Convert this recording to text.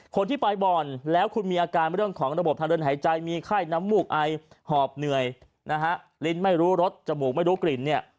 คนที่ไปบ่อนแล้วคุณมีอาการเรื่องของระบบทางเดินหายใจมีไข้น้ำมูกไอหอบเหนื่อยนะฮะลิ้นไม่รู้รสจมูกไม่รู้กลิ่นเนี่ย